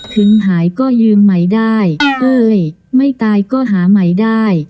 ถึงหายก็ยืมใหม่ได้เอ้ยไม่ตายก็หาใหม่ได้